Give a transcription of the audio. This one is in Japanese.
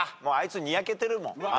もうあいつにやけてるもん。